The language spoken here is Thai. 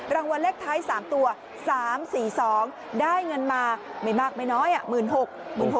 รางวัลเลขท้าย๓ตัว๓๔๒ได้เงินมาไม่มากไม่น้อย๑๖๐๐